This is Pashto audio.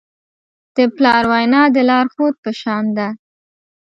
د پلار وینا د لارښود په شان ده.